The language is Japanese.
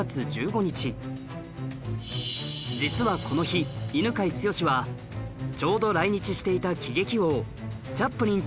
実はこの日犬養毅はちょうど来日していた喜劇王